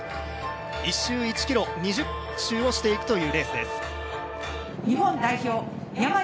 １周１ｋｍ、２０周をしていくというレースです。